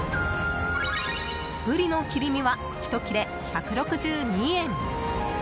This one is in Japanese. ブリの切り身はひと切れ１６２円。